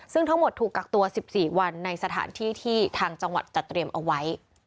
ซึ่งทั้งหมดถูกกักตัว๑๔วันในสถานที่ที่ทางจังหวัดจัดเตรียมเอาไว้